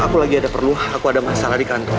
aku lagi ada perlu aku ada masalah di kantor